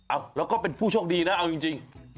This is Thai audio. อ้าวแล้วก็เป็นผู้โชคดีนะเอาจริง